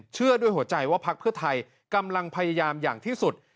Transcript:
ด้วยหัวใจว่าพักเพื่อไทยกำลังพยายามอย่างที่สุด